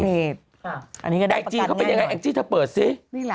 อันนี้ก็ได้ประกันง่ายอ่าอันนี้ก็ได้ประกันง่ายอ่าอันนี้ก็ได้ประกันง่ายอ่า